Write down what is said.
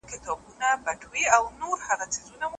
د ړندو لېونو ښار دی د هرچا په وینو سور دی